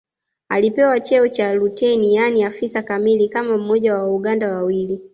Alipewa cheo cha luteni yaani afisa kamili kama mmoja wa Wauganda wawili